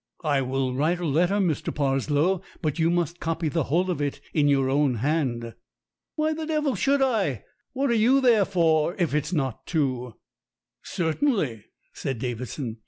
"I will write a letter, Mr. Parslow, but you must copy the whole of it in your own hand." "Why the devil should I ? What are you there for if it's not to " "Certainly," said Davidson.